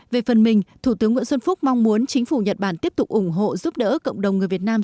về phần mình thủ tướng nguyễn xuân phúc mong muốn chính phủ nhật bản tiếp tục ủng hộ giúp đỡ cộng đồng người việt nam